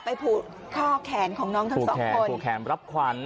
ผูกข้อแขนของน้องทั้งสองคนผูกแขนรับขวัญ